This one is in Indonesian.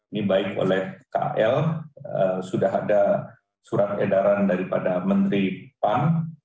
ini baik oleh kl sudah ada surat edaran daripada menteri pan